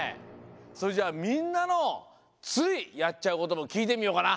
それじゃあみんなのついやっちゃうこともきいてみようかな。